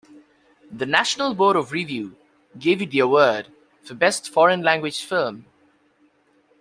The National Board of Review gave it the award for Best Foreign Language Film.